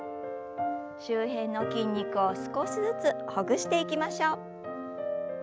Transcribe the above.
周辺の筋肉を少しずつほぐしていきましょう。